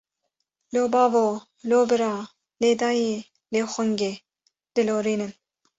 Lo bavo, lo bira, lê dayê, lê xungê, dilorînin.